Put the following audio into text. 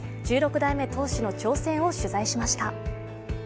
代目当主の挑戦を取材しました。